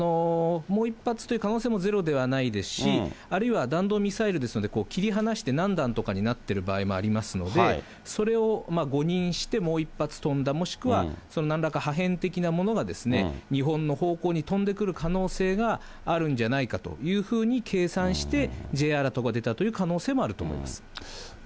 もう１発という可能性もゼロではないですし、あるいは弾道ミサイルですので、切り離して何段とかになっている場合もありますので、それを誤認して、もう１発飛んだ、もしくはそのなんらか破片的なものが日本の方向に飛んでくる可能性があるんじゃないかというふうに計算して、Ｊアラートが出たという可能性もあると思います。